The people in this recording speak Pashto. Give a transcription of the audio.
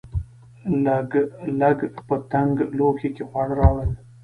لګلګ په تنګ لوښي کې خواړه راوړل.